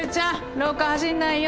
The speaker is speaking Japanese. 廊下走んないよ。